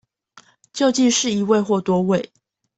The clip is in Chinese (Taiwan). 究竟是一位或多位